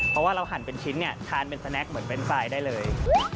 เพราะว่าเราหั่นเป็นชิ้นเนี่ยทานเป็นสแนคเหมือนเป็นไฟล์ได้เลย